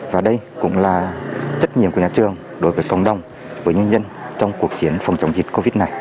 và đây cũng là trách nhiệm của nhà trường đối với cộng đồng với nhân dân trong cuộc chiến phòng chống dịch covid này